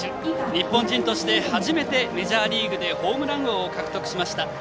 日本人として初めてメジャーリーグでホームラン王を獲得しました。